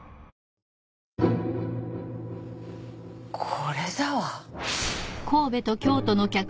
これだわ。